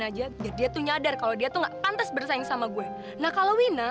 aja biar dia tuh nyadar kalau dia tuh gak pantas bersaing sama gue nah kalau wina